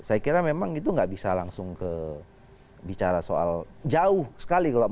saya kira memang itu gak bisa langsung ke bicara soal jauh sekali kalau mau